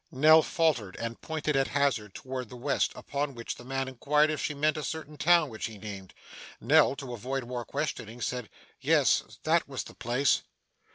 Nell faltered, and pointed at hazard towards the West, upon which the man inquired if she meant a certain town which he named. Nell, to avoid more questioning, said 'Yes, that was the place.